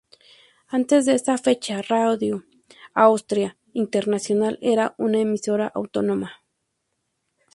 Antes de esa fecha, Radio Austria Internacional era una emisora autónoma.